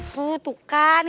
tuh tuh kan